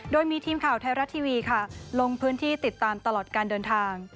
โดยมีทีมข่าวไทยรัฐทีวีค่ะลงพื้นที่ติดตามตลอดการเดินทาง